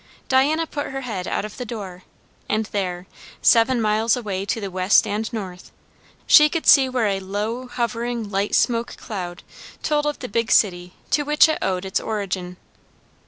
Diana put her head out of the door, and there, seven miles away to the west and north, she could see where a low, hovering, light smoke cloud told of the big city to which it owed its origin.